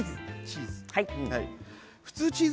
チーズ。